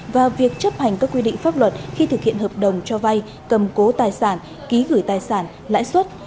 và việc chấp hành các quy định pháp luật khi thực hiện hợp đồng cho vay cầm cố tài sản ký gửi tài sản lãi suất